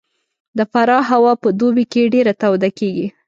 د فراه هوا په دوبي کې ډېره توده کېږي